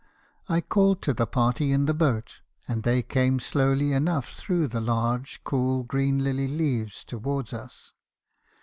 I called to the party in the boat, and they came slowly enough through the large, cool, green lily leaves towards us.